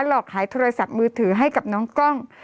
หลอกขายโทรศัพท์มือถือให้กับน้องกล้อง